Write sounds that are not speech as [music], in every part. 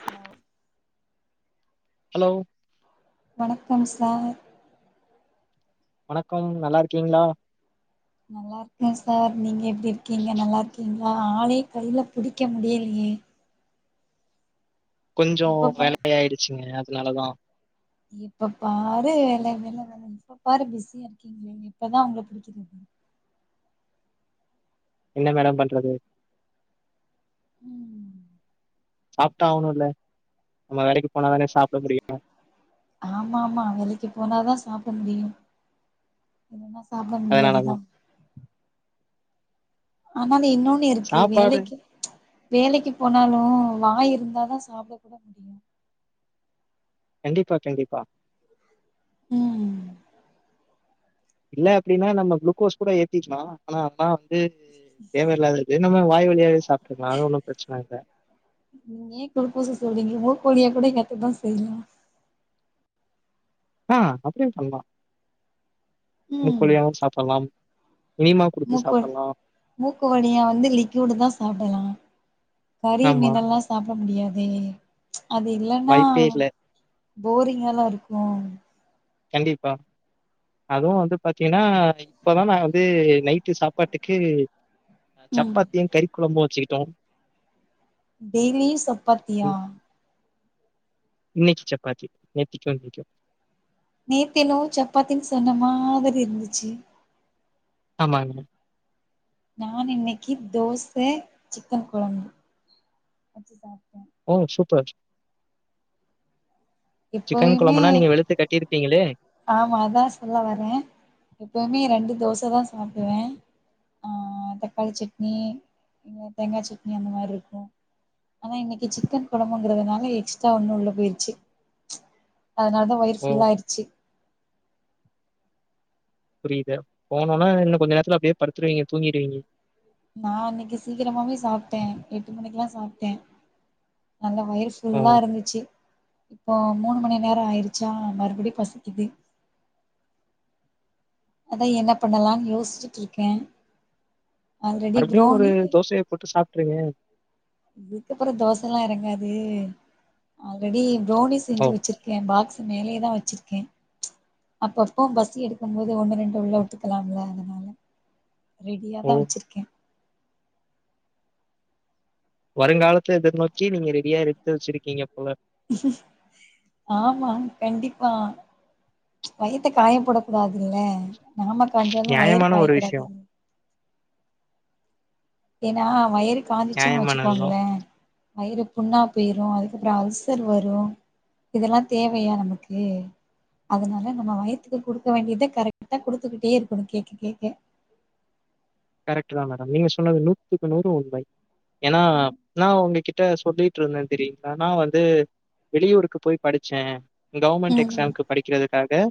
சலோ hello வணக்கம் sir வணக்கம் நல்லா இருக்கீங்களா நல்லா இருக்கே சார் நீங்க இருக்கீங்க நல்லா இருக்கீங்க ஆலே கைல புடிக்க முடியலையே கொஞ்சோ எப்ப பா வேலையாயிடுச்சுங்க அதுனால தா எப்ப பாரு வேல வேல வேல எப்ப பாரு பிஸியா இருக்கீங்ளே எப்பதா உங்கல புடிக்றது என்ன மேடம் பண்றது உம் சாப்ட்டாவுணு இல்ல நம்ம வேலைக்கு போனாதானே சாப்ட முடியு ஆமா ஆமா வேலைக்கு போனாதா சாப்ட முடியு இல்லனா சாப்ட அதனாலதா. முடியாதுதா ஆமாங் இன்னொன்னு இருக்கு சாப்பாடு வேலைக்கு வேலைக்கு போனாலு வாய் இருந்தாதா சாப்ட கூட முடியு கண்டிப்பா கண்டிப்பா ம் ம் இல்ல அப்டின்னா நம்ம க்ளுக்கோஸ் கூட ஏத்திக்கலா ஆனா [unintelligible] அது தேவயில்லாதது நம்ம வாய் வழியாவே சாப்ட்டுக்கலா அது ஒன்னு பெரச்சன இல்ல நீங்க தா செய்லா ஆ அப்டியு பண்லா ம் மூக்குவலியாவு சாப்புட்லா மூக்கு மூக்கு வழியா வந்து லிக்யூடுதா சாப்புட்லா கறி ஆமா மீனெல்லா சாப்ட முடியாது தே அது இல்லன்னா வாய்ப்பே இல்ல போரிங்கால்ல இருக்கு கண்டிப்பா அதுவு வந்து பாத்தீங்கன்னா ஆ இப்பதா நா வந்து நைட்டு சாப்பாட்டுக்கு ம் சப்பாத்தியு கறி கொழம்பு [unintelligible] டெய்லியு சப்பாத்தியா இன்னைக்கு சப்பாத்தி நேத்திக்கு இன்னைக்கு நேத்தென்னவோ சப்பாத்தின்னு சொன்ன மாதிரி இருந்துச்சு ஆமாங்க நான் இன்னைக்கு தோச சிக்கன் கொழம்பு வச்சு சாப்ட்டே ஓ சூப்பர் சிக்கன் எப்பயுமே கொழம்புன்னா நீங்க வெளுத்து கட்டிருப்பீங்களே ஆமா அதா சொல்ல வரே எப்பவுமே ரெண்டு தோச தா சாப்டுவே ஆ தக்காளி சட்னி தேங்காய் சட்னி அந்த மாதிரி இருக்கு ஆனா இன்னைக்கு சிக்கன் கொழம்புங்கிறதுனால எக்ஸ்ட்ரா ஒன்னு உள்ள போயிருச்சு அதனால தா வயிற ஓ! ஃபுல்லா ஆயிடுச்சு புரியுது போனோன்ன இன்னு கொஞ்ச நேரத்துல அப்படியே படுத்துருவீங்க தூங்கிடுவீங்க நா இன்னைக்கு சீக்கிரமாவே சாப்ட்டே எட்டு மணிக்கெல்லா சாப்ட்டே நல்ல வயிற ஓ! ஃபுல்லா இருந்துச்சு இப்போ மூணு மணி நேரம் ஆயிடுச்சா மறுபடியு பசிக்குது அதா என்ன பண்ணலாம்னு யோசிச்சுட்டுருக்கே மறுபடியு ஒரு தோசைய போட்டு சாப் றிங்க இதுக்கப்பற தோசைல்லா எறங்காது ஆல்ரெடி தோனி ஓ! செஞ்சு வெச்சிருக்கே பாக்ஸ் மேலேதா வெச்சிருக்கே அப்பப்ப பசி எடுக்கும் போது ஒண்ணு ரெண்டு உள்ள உட்டுக்கலாம்ல அதனால ஓ! ரெடியாதா வெச்சிருக்கே வருங்காலத்த எதிர்நோக்கி நீங்க ரெடியா எடுத்து வெச்சிருக்கிங்க போல ஆமா கண்டிப்பா வயித்த காய போட கூடாதுல்ல நாம காஞ்சாலு வயிறு நியாயமான ஒரு விஷயம். காயக்கூடாதுல் ஏனா வயறு காஞ்ச்சுச்சுன் நியாயமானதுதான். வச்சுக்கோங்களே வயிறு புண்ணா போயிரு அதுக்கப்புற அல்சர் வரு இதெல்லா தேவையா நமக்கு அதனால நம்ம வயித்துக்கு குடுக்க வேண்டியத கரெக்டா குடுத்துக்கிட்டே இருக்கணு கேக்க கேக்க கரெக்ட்டுதா மேடம் நீங்க சொன்னது நூத்துக்கு நூறு உண்மை ஏனா நா உங்க கி ட்ட சொல்லிட்ருந்த தெரியுங்ளா நா வந்து வெளியூருக்கு போய் படிச்ச கவர்மெண்ட் ம் எக்ஸாம்க்கு படிக்கிறதுக்காக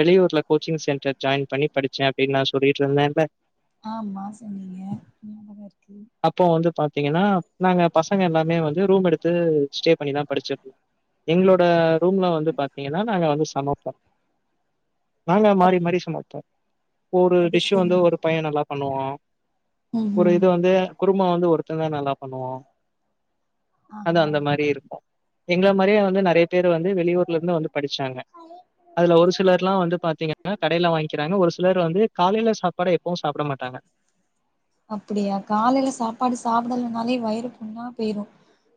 வெளியூர்ல கோச்சிங் சென் டர்ல ஜாயின் பண்ணி படிச்சே அப்டின் நா சொல்லிட்ருந்தேன்ல ஆமா சொன்னீங்க ஞாபகோ இருக்கு அப்ப வந்து பாத்திங்கனா நாங்க பசங்க எல்லாமே வந்து ரூம் எடுத்து ஸ்டே பண்ணிதா படிச்சது எங்ளோட ரூம்ல வந்து பாத்திங்கனா நாங்க வந்து சமப்போ நாங்க மாறி மாறி சமப்போ ஒரு அது டிஷ் சரி வந்து ஒரு பைய நல்லா பண்ணுவோ ம் ஒரு ம் இது வந்து குருமா வந்து ஒருத்தந்தா நல்லா பண்ணுவோ அது ஆஹா அந்த மாரி இருக்கு எங்க ள மாரியே வந்து நெறைய பேர் வந்து வெளியூர்ல இருந்து வந்து படிச்சாங்க அதுல ஒரு சிலர்லா வந்து பாத்திங்கன்னா கடைல வாங்க்கிறங்க ஒரு சிலர் வந்து காலைல சாப் பாடு எப்பவு சாப்ட மாட் டாங்க அப்படியா காலைல சாப்பாடு சாப்படலனாலே வயிறு புண்ணா போயுரு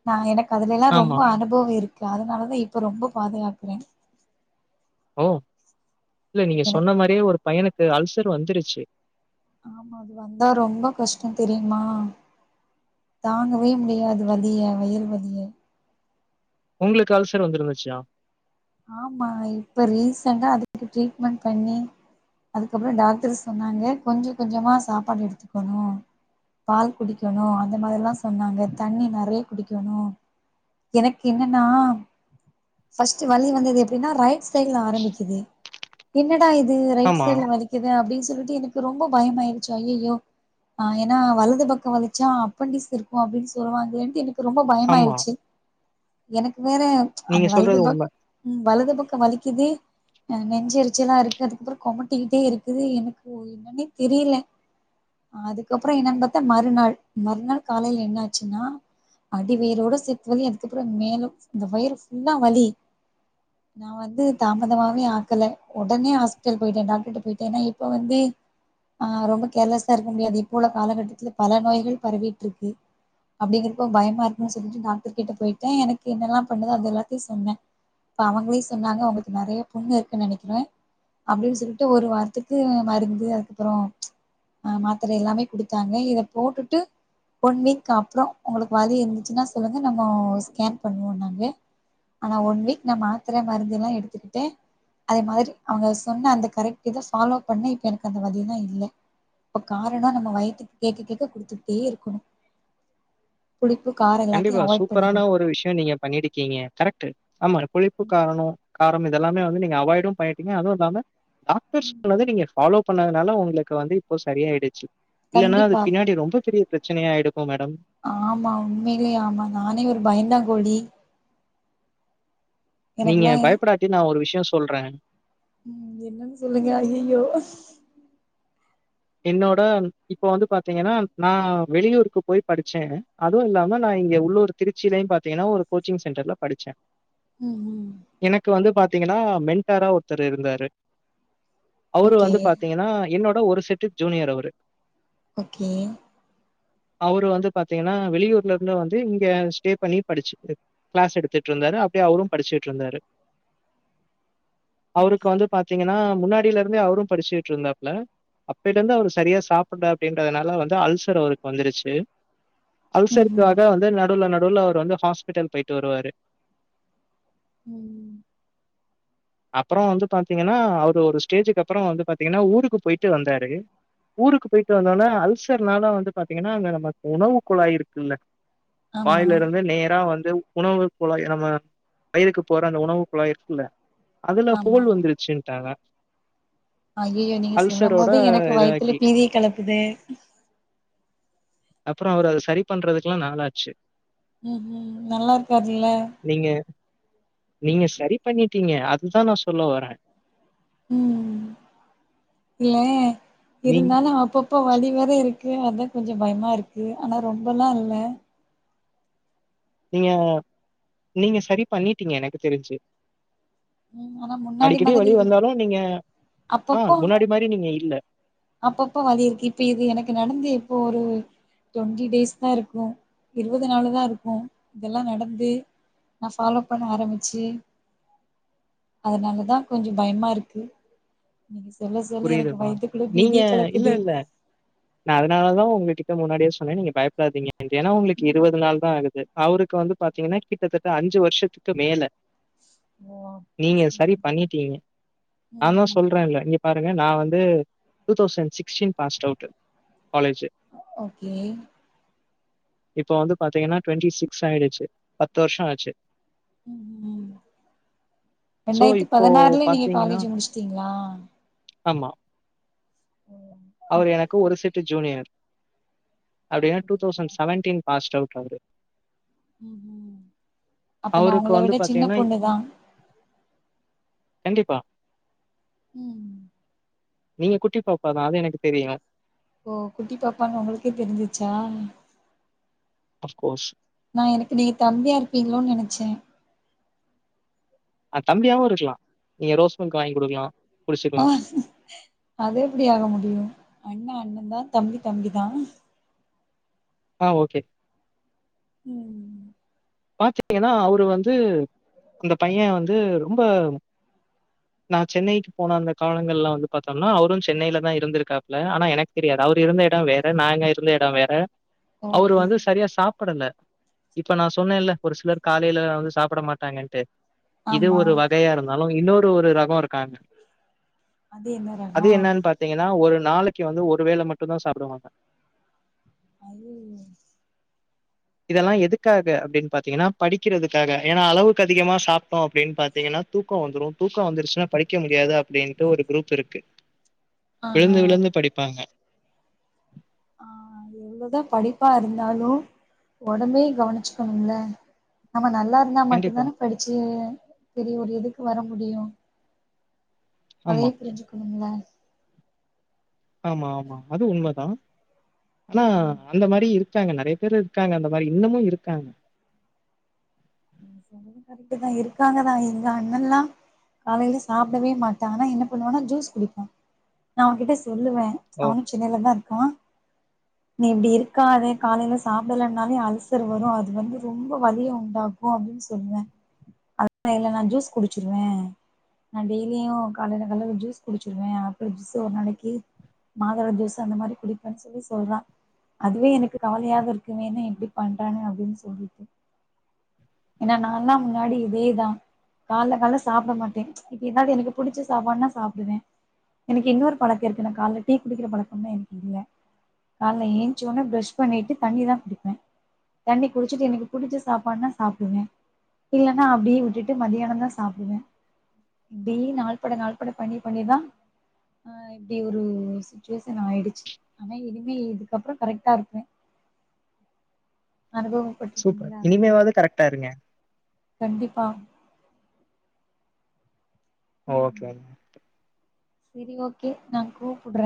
நா எனக் கு அதுலெலா ஆமா. ரொம்ப அனுபவ இருக் கு அதனாலதா இப்ப ரொம்ப பாதுகாக்கறே ஓ இல்ல நீங்க எனக்கு சொன்ன மாரியே ஒரு பையனுக் அல்சர் வந்துருச்சு ஆமா அது வந்தா ரொம்ப கஷ்டம் தெரியுமா தாங்கவே முடியாது வலிய வயறு வலிய உங்களுக்கு அல்சர் வந்திருந்துச்சியா ஆமா இப்ப ரீசென்டா அதுக்கு ட்ரீட்மெண்ட் பண்ணி அதுக்கப்புறம் டாக்டர் சொன்னாங்க கொஞ்சம் கொஞ்சமா சாப்பாடு எடுத்துக்கணும் பால் குடிக்கணும் அந்த மாதிரில்லாம் சொன்னாங்க தண்ணி நிறைய குடிக்கணும் எனக்கு என்னன்னா பர்ஸ்ட் வலி வந்தது எப்படின்னா ரைட் சைட்ல ஆரம்பிக்குது என்ன ஆ இது ரைட் ஆமா, சைடல வலிக்குது அப்படின் சொல்லிட்டு எனக்கு ரொம்ப பயம்மாயிருச்சு ஐயோ ஆஹ் ஏனா வலது பக்கம் வழிச்சா அப்பண்டிஸ் இருக்கும் அப்படின்னு சொல்லுவாங்க எனக்கு ரொம்ப ஆமா. பயமாயிடுச்சு எனக்கு வேற அந்த நீங்க வலது சொல்றது ப உண்ம. உம் வலது பக்கம் வலிக்குது ஹ் நெஞ்சரிச்சு எல்லாம் இருக்கு அதுக்கப்புறம் குமட்டிக்கிட்டே இருக்குது எனக்கு என்னன்னே தெரியல அதுக்கப்புறம் என்னன்னு பாத்தா மறுநாள் மறுநாள் காலையில என்ன ஆச்சுன்னா அடிவயறோட சேத்து வலி அதுக்கப்புறம் மேலும் இந்த வயிறு வலி நான் வந்து தாமதமாவே ஆக்கலை ஒடனே ஹாஸ்பிட்டல் போயிட்டேன் டாக்டர் கிட்ட போயிட்டேன் ஏன்னா இப்ப வந்து ஆஹ் ரொம்ப கேர்லெஸ்ஸா இருக்க முடியாது இப்போ உள்ள காலகட்டத்துல பல நோய்கள் பரவிட்டு இருக்கு அப்படிங்கிறப்போ பயமா இருக்குன்னு சொல்லிட்டு டாக்டர் கிட்ட போயிட்டேன் எனக்கு என்னெல்லாம் பண்ணுதோ அதெல்லாம் சொன்ன அவங்களையும் சொன்னாங்க ஒங்களுக்கு நிறைய புண்ணு இருக்குன்னு நினைக்கிறேன் அப்டின்னு சொல்லிட்டு ஒரு வாரத்துக்கு மருந்து அதுக்கப்புறம்ஹ் மாத்திர எல்லாமே குடுத்தாங்க இத போட்டுட்டு ஒன் வீக் அப்புறம் உங்களுக்கு வலி இருந்துச்சுன்னா சொல்லுங்க நம்ம ஸ்கேன் பண்ணுவோம்ங்க ஆனா ஒன் வீக் நான் மாத்திர மருந்து எல்லாம் எடுத்துக்கிட்டேன் அதே மாதிரி அவுங்க சொன்ன அந்த கரெக்ட் இதை ஃபாலோ பண்ண இப்ப எனக்கு அந்த வலிலா இல்ல இப்ப காரணம் நம்ம வயத்துக்கு கேட்க கேட்க குடுத்துட்டே இருக்கணும் கண்டிப்பா சூப்பரான ஒரு விஷயம் நீங்க பண்ணிருக்கீங்க கரெக்ட் ஆமா புழிப்பு காரம் காரம் இதெல்லாமே வந்து நீங்க அவாய்டும் பண்ணிட்டீங்க அதுவும் இல்லாம டாக்டர் சொன்னத நீங்க பாலோ பண்ணதுனால உங்களுக்கு வந்து இப்போ சரியாயிடுச்சு இல்லன்னா அது கண்டிப்பா பின்னாடி ரொம்ப பெரிய பிரச்சனையாயடுக்கும் மேடம் ஆமா உண்மையிலே ஆமா நானே ஒரு பயந்தா கோழி நீங்க பயப்படாட்டி நா ஒரு விஷய ஷய சொல்ற உம் என்னன்னு சொல்லுங்க ஐயையோ என்னோட இப்ப வந்து பாத்தீங்கன்னா நா வெளியூருக்கு போய் படிச்ச அதுவு இல்லாம நா இங்க உள்ளூர் திருச்சிலயு பாத்தீங்கன்னா ஒரு கோச்சிங் சென்டர்ல படிச்ச உம் உம் இப்ப வந்து பாத்தீங்கன்னா மென்டாரா ஒருத்தரு இருந்தாரு அவரு ஓகே வந்து பாத்தீங்கன்னா என்னோட த ஒரு செட் டு ஜூனியர் அவரு ஓகே அவரு வந்து பாத்தீங்கன்னா வெளியூர்ல இருந்து வந்து இங்க ஸ்டே பண்ணி படிச்சு கிளாஸ் எடுத்துட்டு இருந்தாரு அப்டியே அவரு படிச்சுட்டு இருந்தாரு அவருக்கு ஓகே வந்து பாத்தீங்கன்னா முன்னாடி அப்பையில இருந்தே அவரு படிச்சுட்டு இருந்தாப்ல போய்ட்டு வந்து அவரு செரியா சாப்டல அப்படின்றதுனால வந்து அல்சர் அவருக்கு வந்துருச்சு ம் ம் அல்சருக்காக வந்து நடுவுல நடு டுல அவர் வந்து ஹாஸ்பிட்டல் போயிட்டு வருவாரு உம் அப்றோவந்து பாத்தீங்கன்னா அவரு ஒரு ஸ்டேஜுக்கு அப்றோ வந்து பாத்தீங்கன்னா ஊருக்கு போயிட்டு வந்தாரு ஊருக்கு போயிட்டு வந்தோனே அல்சர்னால வந்து பாத்தீங்கன்னா அங்க நமக்கு உணவு குழாய் இருக்குல்ல ஆமா வாயில இருந்து நேரா வந் உணவு குழாய் நம்ம வயிருக்கு போற அந்த உணவு குழாய் இருக்குல்ல அதுல ஆமா ஹோல் வந்துருச்சுட்டாங்க ஐயையோ நீங்க சொல்லு போது எனக்கு வயத்துல இதாக்கி. பீதிய கலப்புதே அப்றோ அவரு அத செரி பண்றதுக்குெல்லா நாளாச்சு உம் உம் நல்லா இருக்காருல்ல நீங்க நீங்க செரி பண்ணிட்டீங்க அதுதா நா சொல்ல வர உம் இல்ல நீங் இருந்தாலு அப்பப்ப வழி வேற இருக்கு க்கு அதா கொஞ்சோ பயமா இருக்கு ஆனா ரொம்பல்லா இல்ல நீங்க நீங்க செரி பண்ணிட்டீங்க எனக்கு தெரிஞ்சு ம் ஆனா முன்னாடி அடிக்கடி மாதிரி வலி இல்ல வந்தாலு நீங்க ஆஹ் அப்பப்போ முன்னாடி மாரி நீங்க இல்ல அப்பப்ப வழி இருக்கு இப்ப இது எனக்கு நடந்து இப்போ ஒரு டுவெண்டி டேஸ் தா இருக்கு இருபது நால் தா இருக்கு இதெல்லா நடந்து நா ஃபாலோ பண்ண ஆரம்பிச்சு அதனாலதா கொஞ்சோ பயமா இருக்கு சொல்ல சொல்ல எனக்கு புரியுதுமா? வயத்து நீங்க இல்ல இல்ல நா அதனாலதா உங்ககிட்ட முன்னாடியே சொன்ன நீங்க பயப்படாதீங்க ஏனா உங்களுக்கு இருவது நாள் தா ஆகுது அவருக்கு வந்து பாத்தீங்கன்னா கிட்டத்தட்ட அஞ்சு வருஷத்துக்கு மேல ஓ அப்டி நீங்க சரி சொல்றீங்களா பண்ணிட்டீங்க நா தான் ம் சொல்றேல ஏங்க நா வந்து two thousand sixteen passed out college. Okay இப்ப வந்து பாத்தீங்கன்னா டூண்டி சிக்ஸ் ஆயிடுச்சு பத்து வருஷோ ஆச்சு ம் ம் ஸோ, ரெண்டாயிரத்தி இப்போ பதினாறுலே நீங்க பார்த்தீங்கன்னா காலேஜ் முடிச்சுட்டீங்களா ஆமா ஓ! அவர் அப் எனக்கு ஒரு ஓகே செட் ஜூனியர் அப்படின்னா டூ அப்டியா தௌசண் செவேண்டின் பாஸ்ட் அவுட்டு அவரு ம் ம் அப்ப நா அவருக்கு உங்கள வந்து விட சின்ன பார்த்தீங்கன்னா பொண்ணுதா கண்டிப்பா ம் நீங்க குட்டி பாப்பாதா அது எனக்கு தெரியு ஓ குட்டி பாப்பான்னு உங்களுக்கே தெரிச்சுருச்சா அஃப்கோஸ் நா எனக்கு நீங்க தம்பியா இருப்பீங்ளோனு நெனச்சே ஆ தம்பியாவுருக்கலா நீங்க ரோஸ் மில்க் வாங்கி குடுக்கலா ஓ அது எப்டி ஆக முடியும அண்ணா அண்ணாதா தா தம்பி தம்பி தா ஆ ஓகே ம் பாத்துட்டீங்னா அவரு வந்து அந்த பையன் வந்து ரொம்ப நா சென்னைக்கு போன அந்த காலங்கள்லா வந்து பாத்தம்னா அவரு சென்னைலதா இருந்துருக்காப்புல ஆனா எனக்கு தெரியாது அவரு இருந்த எடோ வேற நாங்கருந்த எடோ வேற அவரு ஓகே வந்து சரியா சாப்படல இப்ப நா சொன் சொன்னேல ஒரு சிலர் காலைல வந்து சாப்ட மாட்டாங்கன்ட்டு இது ஆமா ஒரு வகையாருந்தாலு இன்னொரு ஒரு ரகொ இருக்காங்க அது என்ன அது ரகோ என்னன் பாத்தீங்கனா ஒரு நாளைக்கு வந்து ஒரு வேள மட்டு தா சாப்டுவாங்க [unintelligible] இதுதெல்லா எதுக்காக அப்டின் பாத்தீங்னா படிக்கறதுக்காக ஏனா அளவுக்கு அதிகமா சாப்ட்டோ அப்டின் பாத்தீங்னா தூக்கொ வந்துடு தூக்கொ வந்துருச்சுனா படிக்க முடியாது அப்டின்ட்டு ஒரு குரூப் இருக்கு ஆஹா விழுந்து விழுந்து படிப்பாங்க [inaudible] அதான் படிப்பாருந்தாலு ஒடம்பயு கவனிச்சுக்கணும்ல நம்ம நல்லாருந்தா மட்டு கண்டிப்பா தானே படிச்சு சரி ஒரு இதுக்கு வர முடியு ஆமா அதயு புரிஞ்சுக்கணும்ல ஆமா ஆமா அது உண்மதா ஆனா ம் ம் அந்த மாரி இருக் க்காங்க நறைய பேரு இருக்காங்க அந்த மாரி இன்னமு இருக்காங்க கரட்டு தா இருக்காங்க தா எங்க அண்ணலா காலைல சாப்டவே மாட்டாங்க ஆனா என்ன பண்ணுவாங்க ஜுஸ் குடிப்பாங்க நா அவங்கிட்ட சொல்லுவே ஓ அவனு சென்னைல தா இருக்கா நீ இப்டி இருக்காதே காலைல சாப்டலனாலே அல்சர் வரும் அது வந்து ரொம்ப வலிய உண்டாக்கு கு அப்டின் சொல்லுவே அதுக்கு இல்ல நா ஜூஸ் குடிச்சிருவே நா டெய்லியு காலைல காலைல ஒரு ஜூஸ் குடிச்சிருவே ஆப்பிள் ஜூஸ் ஒரு நாளைக்கு மாதுள ஜூஸ் அந்த மாரி குடிப்பன் சொல்லி சொல்றா அதுவே எனக்கு கவலையாக இருக்கு இவ என்ன இப்டி பண்றா அப்டின் சொல்லிட்டு ஏனா நா லா முன்னாடி இதேதா கால்ல கால்ல சாப்ட மாட்டே இப்ப எதாது எனக்கு புடிச்ச சாப்பாடுனா சாப்டுவே எனக்கு இன்னொரு பழக்கொ இருக்கு எனக்கு கால்ல டீ குடிக்கிற பழக்கமே எனக்கு இல்ல கால்ல ஏன்ச்ச ஒன்னே ப பிரஷ் பண்ணிட்டு தண்ணி தா குடிப்பே தண்ணி குடிச்சுட்டு எனக்கு புடிச்ச சாப்பாடுனா சாப்டுவே இல்லனா அப்டியே விட்டுட்டு மதியான தா சாப்டுவே இப்டி நாள் பட நாள் பட பண்ணி பண்ணிதா ஆ இப்டி ஒரு சுச்சுவேஷன் ஆயிடுச்சு ஆனா இனிமே இதுக்கப்ற கரெக்டா இருப்பே சூப்பர் அனுபவப்பட்டுட்டேன்ல அதனால இனிமேவாது கரெக்டாருங்க கண்டிப்பா ஓகே சரி ஓகே நா கூப்புட்ற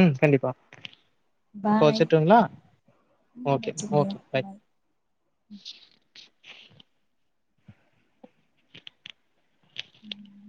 ம் கண்டிப்பா இப்ப பாய் வச்சுட்டுங்ளா ம் ஓகே வச்சுருங்க ஓகே பாய் உம்